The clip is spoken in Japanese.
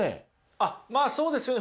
あっまあそうですよね。